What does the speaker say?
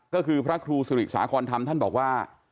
ก็คือพระครูสุริสาคอนธรรมท่านบอกว่า